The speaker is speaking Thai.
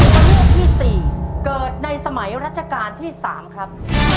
ตัวเลือกที่๔เกิดในสมัยรัชกาลที่๓ครับ